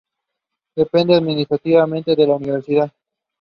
Depende administrativamente de la universidad.